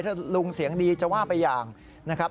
ถ้าลุงเสียงดีจะว่าไปอย่างนะครับ